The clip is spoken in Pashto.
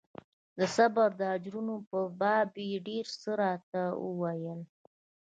د صبر د اجرونو په باب يې ډېر څه راته وويل.